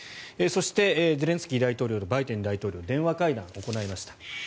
そして、ゼレンスキー大統領とバイデン大統領が電話会談を行いました。